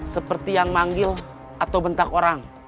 seperti yang manggil atau bentak orang